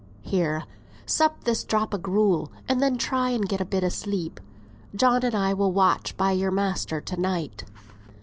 "Here, sup this drop o' gruel, and then try and get a bit o' sleep. John and I'll watch by your master to night."